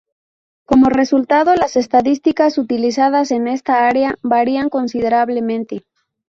Como resultado, las estadísticas utilizadas en esta área varían considerablemente.